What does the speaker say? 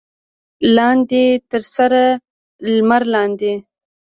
لاندې تر سره لمر لاندې.